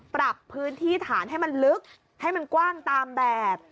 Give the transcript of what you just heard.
ปรับพื้นที่ฐานให้มันลึกให้มันกว้างตามแบบ